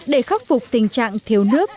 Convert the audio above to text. để khắc phục tình trạng thiếu nước